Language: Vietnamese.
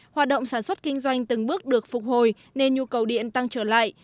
hoạt động sản xuất kinh doanh từng bước được phục hồi nên nhu cầu điện tăng trở lại